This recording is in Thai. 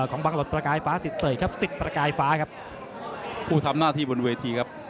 ของบังหลดประกายฟ้าสิทเสยครับสิบประกายฟ้าครับผู้ทำหน้าที่บนเวทีครับ